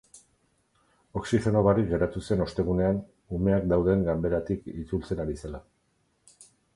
Oxigeno barik geratu zen ostegunean, umeak dauden ganberatik itzultzen ari zela.